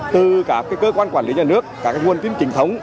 từ các cơ quan quản lý nhà nước các nguồn tin trình thống